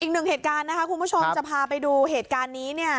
อีกหนึ่งเหตุการณ์นะคะคุณผู้ชมจะพาไปดูเหตุการณ์นี้เนี่ย